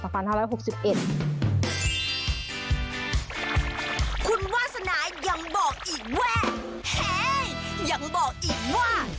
คุณวาสนายังบอกอีกว่า